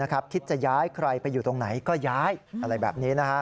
คิดจะย้ายใครไปอยู่ตรงไหนก็ย้ายอะไรแบบนี้